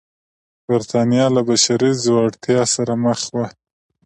برېټانیا له بشپړې ځوړتیا سره مخ وه.